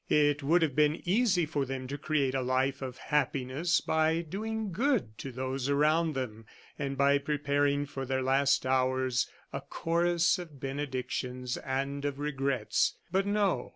It would have been easy for them to create a life of happiness by doing good to those around them, and by preparing for their last hours a chorus of benedictions and of regrets. But no.